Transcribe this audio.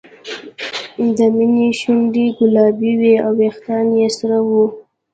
د مینې شونډې ګلابي وې او وېښتان یې سره وو